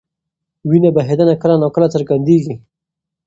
وینه بهېدنه کله ناکله څرګندېږي.